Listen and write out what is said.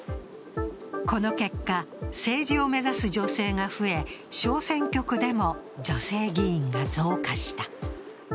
この結果、政治を目指す女性が増え小選挙区でも女性議員が増加した。